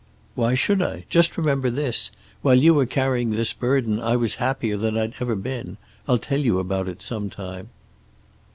"Why should I? Just remember this: while you were carrying this burden, I was happier than I'd ever been. I'll tell you about it some time."